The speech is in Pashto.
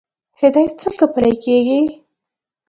هدایت څنګه پلی کیږي؟